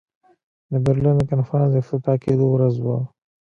د برلین د کنفرانس د افتتاح کېدلو ورځ وه.